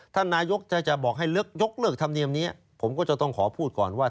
ท่านนายกจะบอกให้ยกเลิกธรรมเนียมนี้ผมก็จะต้องขอพูดก่อนว่า